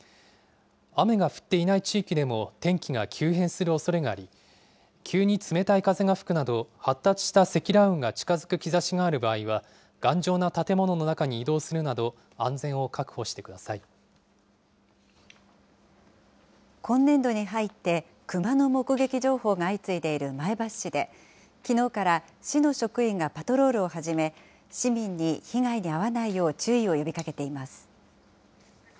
雨が降っていない地域でも天気が急変するおそれがあり、急に冷たい風が吹くなど、発達した積乱雲が近づく兆しがある場合は、頑丈な建物の中に移動するなど、今年度に入って、クマの目撃情報が相次いでいる前橋市で、きのうから市の職員がパトロールを始め、市民に被害に遭わないよう注意を呼びかけています。